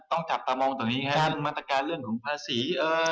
จับตามองตรงนี้ครับเรื่องมาตรการเรื่องของภาษี